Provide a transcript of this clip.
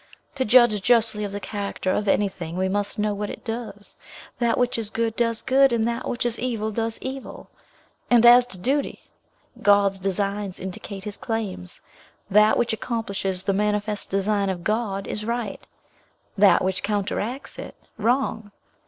To judge justly of the character of anything, we must know what it does. That which is good does good, and that which is evil does evil. And as to duty, God's designs indicate his claims. That which accomplishes the manifest design of God is right; that which counteracts it, wrong.